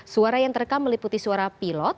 suara yang terekam meliputi suara pilot